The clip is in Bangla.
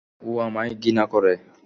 ও আমায় ঘৃণা করে।